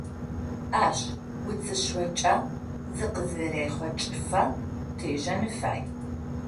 Ащ уцышъокӀэ зыкъызэрехъокӀыфэ тежэн фай.